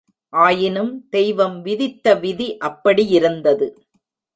ஆயினும் தெய்வம் விதித்த விதி அப்படியிருந்தது.